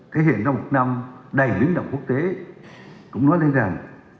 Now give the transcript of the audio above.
thể hiện trong một năm đầy biến động quốc tế cũng nói lên rằng